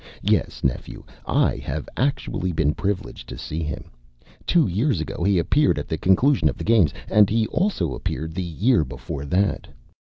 Yes, Nephew, I have actually been privileged to see him. Two years ago he appeared at the conclusion of the Games, and he also appeared the year before that."